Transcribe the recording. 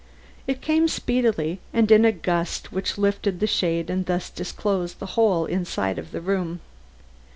It came speedily, and in a gust which lifted the shade and thus disclosed the whole inside of the room.